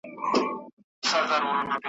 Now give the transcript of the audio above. هم مرغان هم څلور بولي یې خوړله `